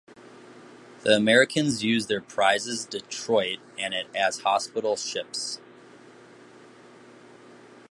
The Americans used their prizes "Detroit" and as hospital ships.